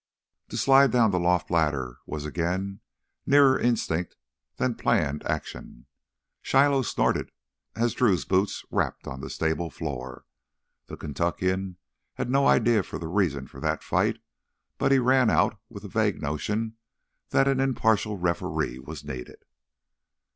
To slide down the loft ladder was again nearer instinct than planned action. Shiloh snorted as Drew's boots rapped on the stable floor. The Kentuckian had no idea of the reason for that fight, but he ran out with the vague notion that an impartial referee was needed.